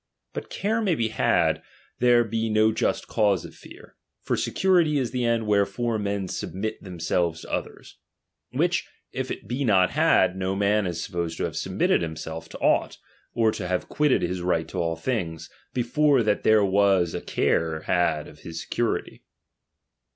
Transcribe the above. But care may be had, there be no just cause of fear ; for security is the end wherefore men sub mit themselves to others ; which if it be not had, no man is supposed to have submitted himself to I aught, or to have quitted his right to all thiags, chap. vi. before that there was a care had of his security.